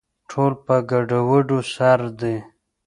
ټول په ګډووډو سر دي